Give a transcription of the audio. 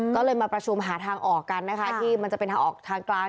ก็เลยมาประชุมหาทางออกกันนะคะที่มันจะเป็นทางออกทางกลาง